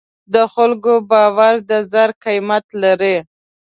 د خلکو باور د زر قیمت لري.